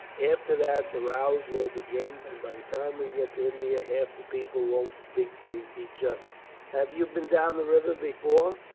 After that, the rows will begin, and by the time we get to India, half the people won't speak to each other. "Have you been down the river before?